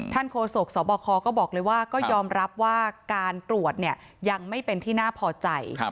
โฆษกสบคก็บอกเลยว่าก็ยอมรับว่าการตรวจเนี่ยยังไม่เป็นที่น่าพอใจ